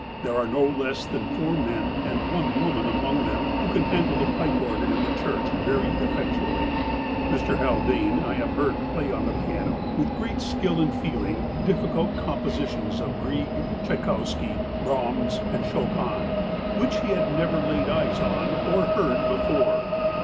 There are no less than foui' men and one woman among them who can handle the pipe organ in the church very effectually. Mr. Haldane I have heard play on the piano with great skill and feeling difficult compositions of Grieg, Tchaikowsky, Brahms, and Chopin, which he had never laid eyes on or heard before.